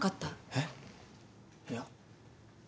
えっ？いや。